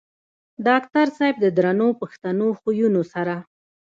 ډاکټر صېب د درنو پښتنو خويونو سره